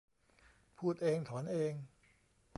พูดเองถอนเอง